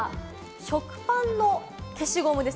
食パンの消しゴムです。